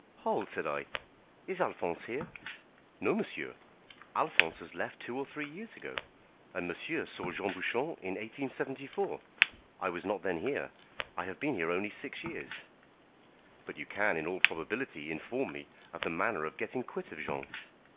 "Hold," said I; "is Alphonse here?" "No, monsieur, Alphonse has left two or three years ago. And monsieur saw Jean Bouchon in 1874. I was not then here. I have been here only six years." "But you can in all probability inform me of the manner of getting quit of Jean."